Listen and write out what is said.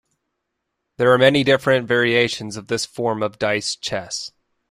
There are many different variations of this form of dice chess.